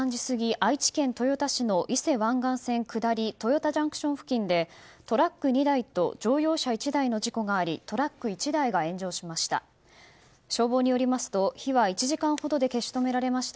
愛知県豊田市の伊勢湾岸道下り豊田ＪＣＴ付近でトラック２台と乗用車１台の事故がありトラック１台が炎上しました。